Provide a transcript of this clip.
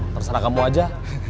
terserah kamu aja